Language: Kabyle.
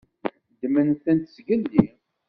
Ddmen-tent zgelli.